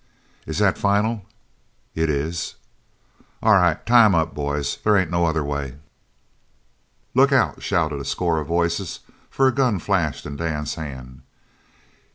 "Is that final?" "It is." "All right. Tie him up, boys. There ain't no other way!" "Look out!" shouted a score of voices, for a gun flashed in Dan's hand.